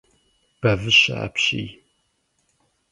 Бэвыщэ апщий!